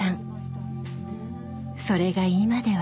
それが今では。